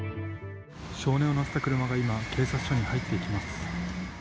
少年を乗せた車が今警察署に入っていきます。